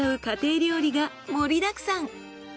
家庭料理が盛りだくさん。